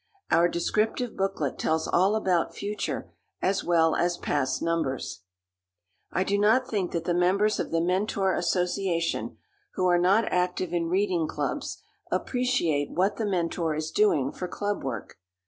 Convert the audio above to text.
Our descriptive booklet tells all about future as well as past numbers. I do not think that the members of The Mentor Association who are not active in reading clubs appreciate what The Mentor is doing for club work.